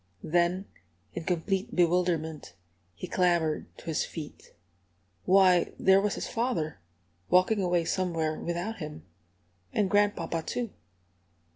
Then, in complete bewilderment, he clambered to his feet. Why, there was his father, walking away somewhere without him! And grandpapa, too!